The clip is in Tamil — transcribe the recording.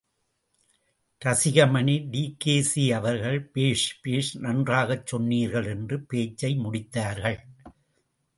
ரசிகமணி டி.கே.சி.அவர்கள் பேஷ், பேஷ் நன்றாகச் சொன்னீர்கள் என்று பேச்சை முடித்தார்கள்.